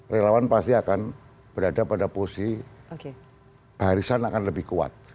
relawan pasti akan berada pada posisi barisan akan lebih kuat